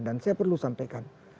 dan saya perlu sampaikan